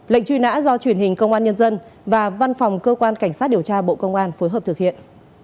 lệnh truy nã do truyền hình công an nhân dân và văn phòng cơ quan cảnh sát điều tra bộ công an phối hợp thực hiện